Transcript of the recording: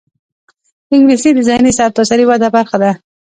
انګلیسي د ذهني سرتاسري وده برخه ده